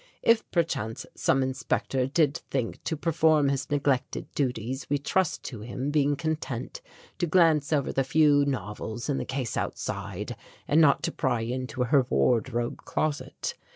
If perchance some inspector did think to perform his neglected duties we trust to him being content to glance over the few novels in the case outside and not to pry into her wardrobe closet.